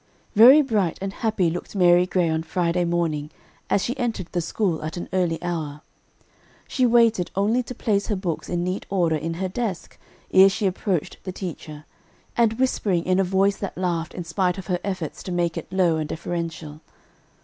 Very bright and happy looked Mary Gray on Friday morning, as she entered the school at an early hour. She waited only to place her books in neat order in her desk, ere she approached the teacher, and whispering in a voice that laughed in spite of her efforts to make it low and deferential.